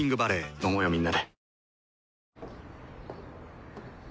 飲もうよみんなで。